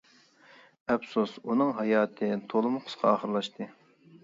ئەپسۇس ئۇنىڭ ھاياتى تولىمۇ قىسقا ئاخىرلاشتى.